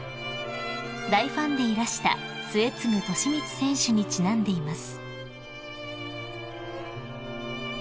［大ファンでいらした末次利光選手にちなんでいます］